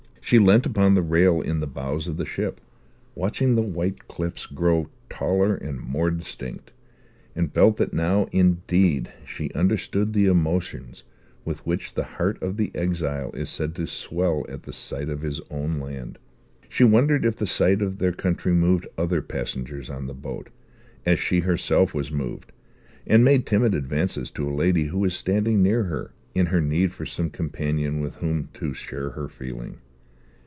She leant upon the rail in the bows of the ship, watching the white cliffs grow taller and more distinct, and felt that now indeed she understood the emotions with which the heart of the exile is said to swell at the sight of his own land. She wondered if the sight of their country moved other passengers on the boat as she herself was moved, and made timid advances to a lady who was standing near her, in her need of some companion with whom to share her feeling.